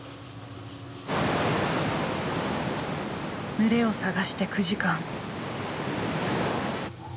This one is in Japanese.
群れを探して９時間。